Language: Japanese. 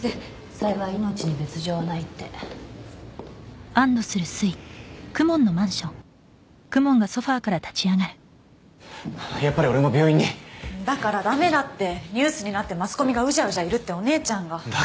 幸い命に別状はないってやっぱり俺も病院にだからダメだってニュースになってマスコミがウジャウジャいるってお姉ちゃんがだ